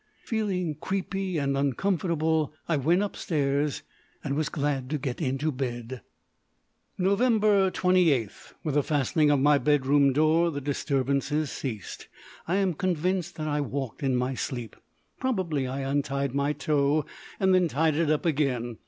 Feeling creepy and uncomfortable, I went upstairs, and was glad to get into bed. Nov. 28. With the fastening of my bedroom door the disturbances ceased. I am convinced that I walked in my sleep. Probably I untied my toe and then tied it up again.